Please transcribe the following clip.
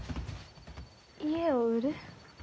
家を売る？